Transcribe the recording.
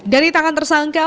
dari tangan tersangka